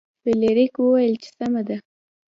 فلیریک وویل چې سمه ده.